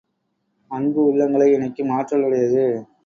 அன்பு, உள்ளங்களை இணைக்கும் ஆற்றலுடையது.